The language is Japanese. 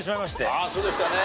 ああそうでしたね。